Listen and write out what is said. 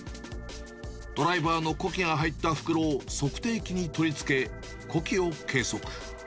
ドライバーの呼気が入った袋を測定器に取り付け、呼気を計測。